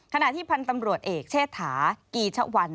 ขณะที่พันธ์ตำรวจเอกเชษฐากีชะวัน